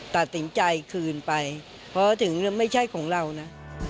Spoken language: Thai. ตัดสินใจคืนไปเพราะถึงไม่ใช่ของเรานะ